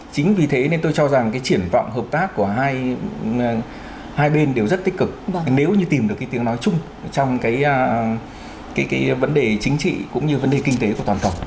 chính vì thế nên tôi cho rằng cái triển vọng hợp tác của hai bên đều rất tích cực nếu như tìm được cái tiếng nói chung trong cái vấn đề chính trị cũng như vấn đề kinh tế của toàn cầu